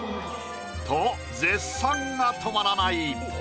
と絶賛が止まらない。